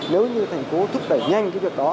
nếu như thành phố thúc đẩy nhanh cái việc đó